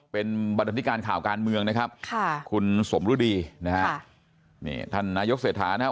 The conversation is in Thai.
เป็นบรรดาธิการข่าวการเมืองนะครับค่ะคุณสมฤดีนะฮะนี่ท่านนายกเศรษฐานะครับ